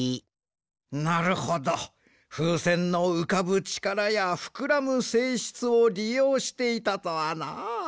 なるほどふうせんのうかぶちからやふくらむせいしつをりようしていたとはな。